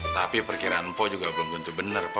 tapi perkiraan po juga belum tentu bener po